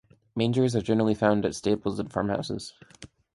Mangers are generally found at stables and farmhouses.